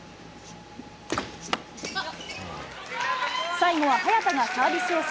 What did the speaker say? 最後は早田がサービスエース。